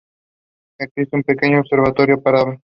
Existe un pequeño observatorio para aves.